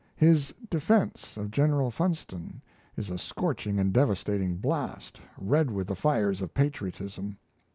His "defence" of General Funston is a scorching and devastating blast, red with the fires of patriotism.